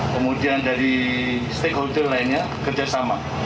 kemudian dari stakeholder lainnya kerjasama